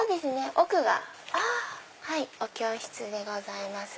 奥がお教室でございます。